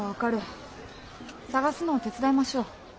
探すのを手伝いましょう。